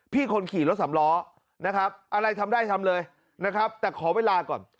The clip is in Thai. คนขี่รถสำล้อนะครับอะไรทำได้ทำเลยนะครับแต่ขอเวลาก่อน